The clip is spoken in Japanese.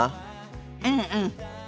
うんうん。